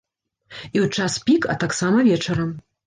І ў час пік, а таксама вечарам.